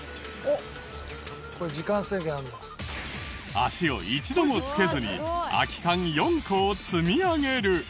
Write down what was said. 足を一度も着けずに空き缶４個を積み上げる。